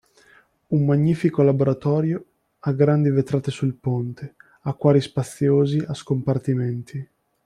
Un magnifico laboratorio a grandi vetrate sul ponte, acquari spaziosi a scompartimenti